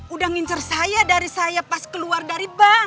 udah nginser saya dari saya pas keluar dari bank